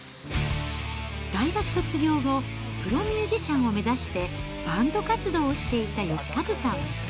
大学卒業後、プロミュージシャンを目指してバンド活動をしていた芳和さん。